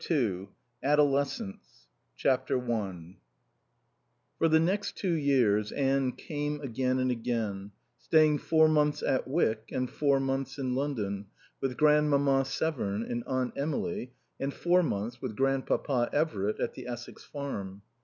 II ADOLESCENTS i For the next two years Anne came again and again, staying four months at Wyck and four months in London with Grandmamma Severn and Aunt Emily, and four months with Grandpapa Everitt at the Essex Farm.